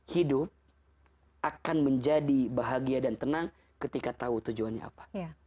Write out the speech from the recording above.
hidup akan menjadi bahagia dan tenang ketika tahu tujuannya apa